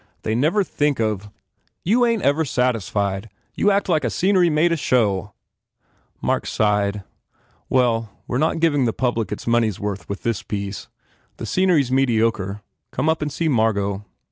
They never think of " "You ain t ever satisfied! You act like scenery made a show " Mark sighed, "Well, we re not giving the public its moneysworth with this piece. The scenery s mediocre. Come up and see Margot."